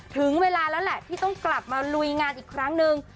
ถึงเวลาแล้วแหละที่ต้องกลับมาลุยงานอีกครั้งนึง